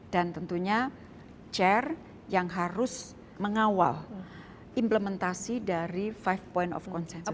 dan tentunya chair yang harus mengawal implementasi dari five points of consensus ini